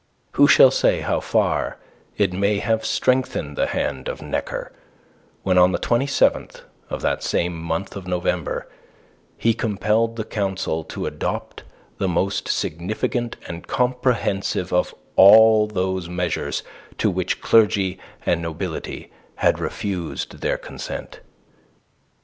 Who shall say how far it may have strengthened the hand of Necker, when on the 27th of that same month of November he compelled the Council to adopt the most significant and comprehensive of all those measures to which clergy and nobility had refused their consent?